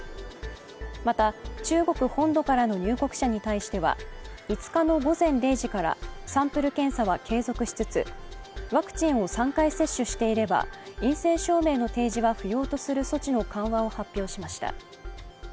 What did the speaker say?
また、中国本土からの入国者に対しては、５日の午前０時からサンプル検査は継続しつつワクチンを３回接種していれば陰性証明の提示は不要とする措置の緩和を発表しました。